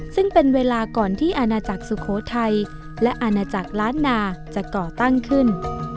ซึ่งเป็นเวลาก่อนที่อาณาจักรสุโขทัยและอาณาจักรล้านนาจะก่อตั้งขึ้น